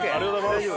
大丈夫？